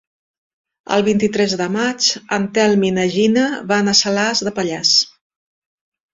El vint-i-tres de maig en Telm i na Gina van a Salàs de Pallars.